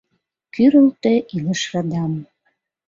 Кӱрылтӧ илыш радам.